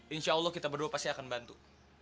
insya allah kita berdua pasti akan bantu